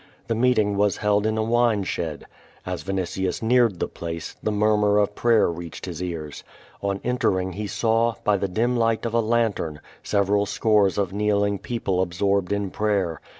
The meeting was held in a wine shed. As Vinitius neared the place, the munnur of prayer reached his ears. On enter ing he saw, by the dim light of a lantern, several scores of kneeling people absorbed in prayer.